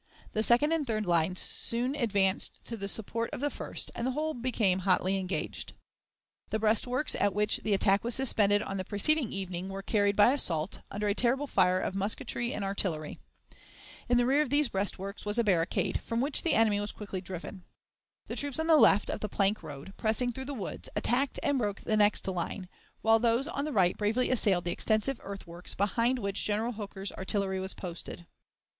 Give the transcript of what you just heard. The second and third lines soon advanced to the support of the first, and the whole became hotly engaged. The breastworks at which the attack was suspended on the preceding evening were carried by assault, under a terrible fire of musketry and artillery. In rear of these breastworks was a barricade, from which the enemy was quickly driven. The troops on the left of the plank road, pressing through the woods, attacked and broke the next line, while those on the right bravely assailed the extensive earthworks behind which General Hooker's artillery was posted.